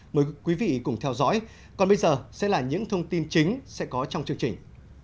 mời quý vị cùng theo dõi còn bây giờ sẽ là những thông tin chính sẽ có trong chương trình